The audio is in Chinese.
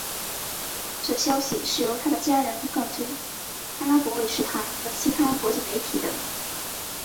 这消息是由他的家人告知阿拉伯卫视台和其他国际媒体的。